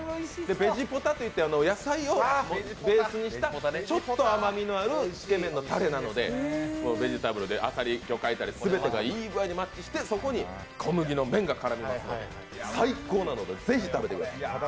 ベジポタといって野菜をベースにしたちょっと甘みのあるつけ麺のタレなのでベジタブルでアサリ、魚介たれがいい具合にマッチして、そこに小麦の麺が絡みまして最高なのでぜひ食べてください。